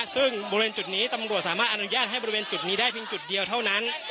ซึ่งบริเวณจุดนี้ตำรวจสามารถอนุญาตให้บริเวณจุดนี้ได้เพียงจุดเดียวเท่านั้น